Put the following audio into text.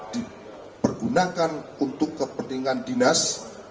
dipergunakan untuk kepentingan dinas